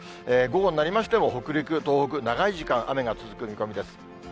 午後になりましても、北陸、東北、長い時間、雨が続く見込みです。